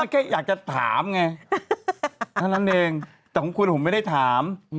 แค่อยากจะถามไงเท่านั้นเองแต่ของคุณผมไม่ได้ถาม